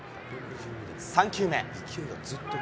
３球目。